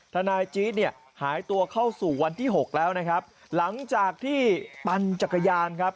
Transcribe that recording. ทนายจี๊ดเนี่ยหายตัวเข้าสู่วันที่หกแล้วนะครับหลังจากที่ปั่นจักรยานครับ